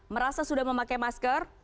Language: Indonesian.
merasa sudah memakai masker